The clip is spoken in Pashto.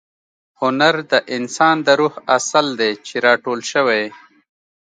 هنر د انسان د روح عسل دی چې را ټول شوی.